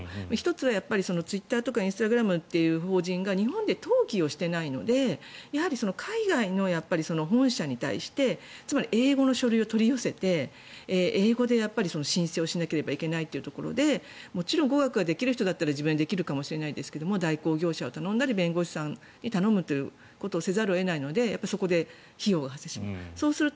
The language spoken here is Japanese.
１つはツイッターとかインスタグラムという法人が日本で登記をしていないのでやはり海外の本社に対してつまり英語の書類を取り寄せて英語で申請をしなければいけないところでもちろん語学ができる人だったらできるかもしれませんが代行業者を頼んだり弁護士さんに頼むということをせざるを得ないのでそこで費用が発生する。